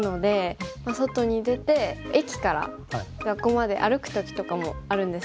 外に出て駅から学校まで歩く時とかもあるんですけど。